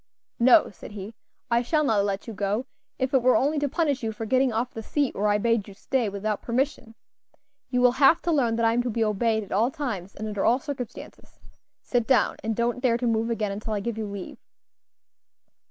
"No," said he, "I shall not let you go, if it were only to punish you for getting off the seat where I bade you stay, without permission. You will have to learn that I am to be obeyed at all times, and under all circumstances. Sit down, and don't dare to move again until I give you leave."